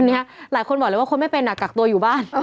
อันนี้หลายคนบอกเลยว่าคนไม่เป็นกักตัวอยู่บ้าน